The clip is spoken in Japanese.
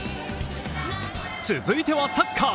続いてはサッカー。